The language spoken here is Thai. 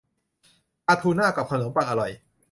ปลาทูน่ากับขนมปังอร่อย